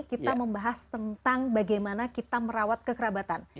kita membahas tentang bagaimana kita merawat kekerabatan